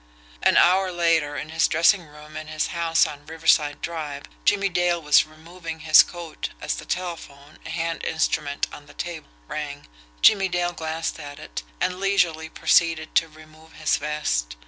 An hour later, in his dressing room in his house on Riverside Drive, Jimmie Dale was removing his coat as the telephone, a hand instrument on the table, rang. Jimmie Dale glanced at it and leisurely proceeded to remove his vest.